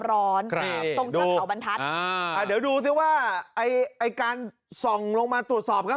ร้อนตรงขาวบรรทัศน์เดี๋ยวดูซิว่าไอ้การส่งลงมาตรวจสอบเขา